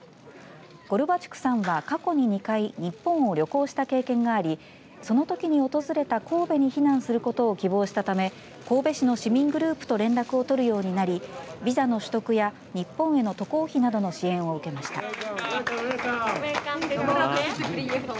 ゴルバチュクさんは過去に２回日本を旅行した経験がありそのときに訪れた神戸に避難することを希望したため神戸市の市民グループと連絡を取るようになりビザの取得や日本への渡航費などの支援を受けました。